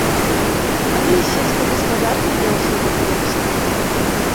Але і з сельскай гаспадаркай не ўсё так проста.